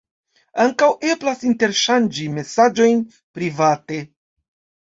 Ankaŭ eblas interŝanĝi mesaĝojn private.